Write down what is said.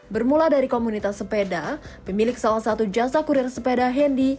bermula dari komunitas sepeda pemilik salah satu jasa kurir sepeda hendy